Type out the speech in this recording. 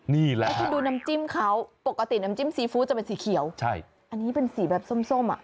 นี่แหละครับปกติน้ำจิ้มซีฟู้จะเป็นสีเขียวอันนี้เป็นสีแบบส้มอ่ะ